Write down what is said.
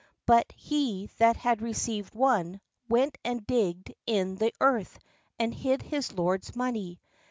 But he that had received one went and digged in the earth, and hid his lord's money.